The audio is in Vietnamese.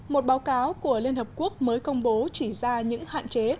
một báo cáo của liên hợp quốc mới công bố chỉ ra những hạn chế